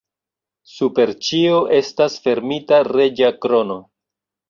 Super ĉio estas fermita reĝa krono.